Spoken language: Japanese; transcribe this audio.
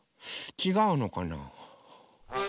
ちがうのかな。